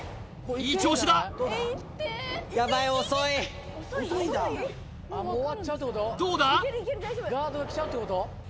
いい調子だどうだ？